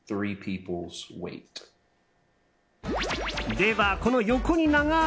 では、この横に長い